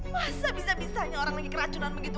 masa bisanya orang lagi keracunan begitu